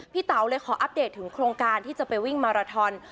เต๋าเลยขออัปเดตถึงโครงการที่จะไปวิ่งมาราทอน